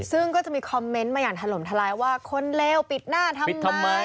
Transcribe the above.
ซึ่งก็จะมีคอมเมนต์มาอย่างถล่มทลายว่าคนเลวปิดหน้าทำไม